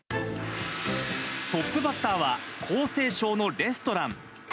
トップバッターは、江西省のレストラン。